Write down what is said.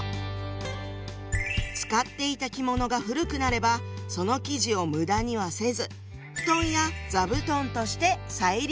使っていた着物が古くなればその生地を無駄にはせず布団や座布団として再利用。